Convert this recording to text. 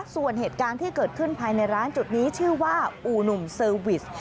ส่วนเหตุการณ์ที่เกิดขึ้นภายในร้านจุดนี้ชื่อว่าอู่หนุ่มเซอร์วิส